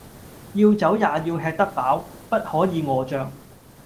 要走也要吃得飽，不可以餓著